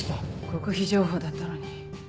極秘情報だったのに。